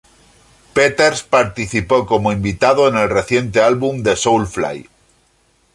Peters participó como invitado en el reciente álbum de Soulfly.